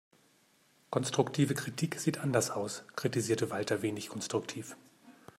Konstruktive Kritik sieht anders aus, kritisierte Walter wenig konstruktiv.